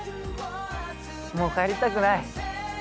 もう帰りたくない！